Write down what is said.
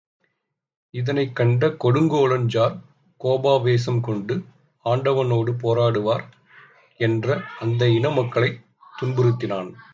இதனைக் கண்ட கொடுங்கோலன் ஜார் கோபாவேசம் கொண்டு ஆண்டவனோடு போராடுவோர் என்ற அந்த இன மக்களைத் துன்புறுத்தினான்.